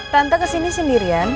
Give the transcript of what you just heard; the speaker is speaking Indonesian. tante kesini sendirian